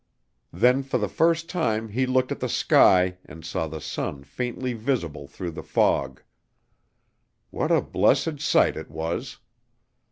Then for the first time he looked at the sky and saw the sun faintly visible through the fog. What a blessed sight it was!